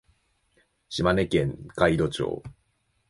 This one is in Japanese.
島根県海士町